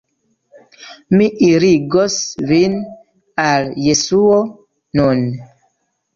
"Mi irigos vin al Jesuo nun."